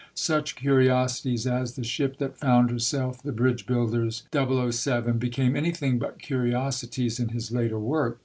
Such curiosities as The Ship that Found Herself, The Bridge Builders, .007, became anything but curiosities in his later work.